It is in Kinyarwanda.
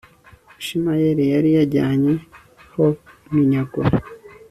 ishimayeli yari yajyanye ho iminyago